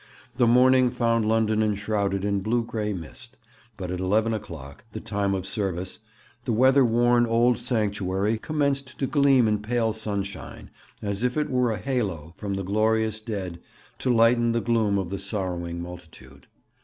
The morning found London enshrouded in blue grey mist; but at eleven o'clock, the time of service, the weather worn old sanctuary commenced to gleam in pale sunshine, as if it were a halo from the glorious dead to lighten the gloom of the sorrowing multitude.